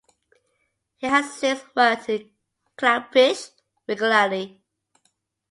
He has since worked with Klapisch regularly.